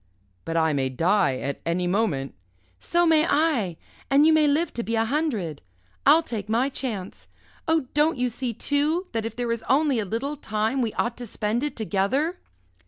"But I may die at any moment." "So may I! And you may live to be a hundred I'll take my chance. Oh, don't you see, too, that if there is only a little time we ought to spend it together?"